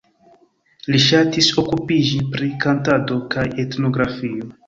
Li ŝatis okupiĝi pri kantado kaj etnografio.